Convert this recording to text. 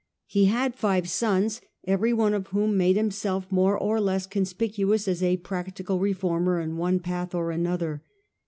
He had five sons, every one of whom made him self more or less conspicuous as a practical reformer in one path or another.